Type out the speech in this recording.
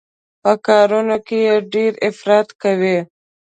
په کارونو کې يې ډېر افراط کوي.